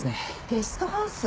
ゲストハウス？